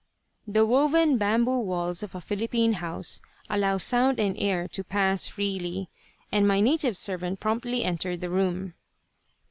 The woven bamboo walls of a Philippine house allow sound and air to pass freely, and my native servant promptly entered the room.